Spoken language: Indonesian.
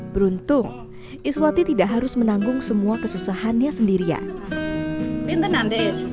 beruntung iswati tidak harus menanggung semua kesusahannya sendirian